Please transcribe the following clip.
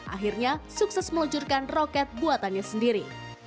akhirnya sukses meluncurkan roket buatannya sendiri